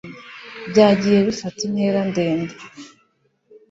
byagiye bifata intera ndende